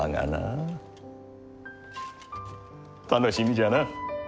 楽しみじゃな。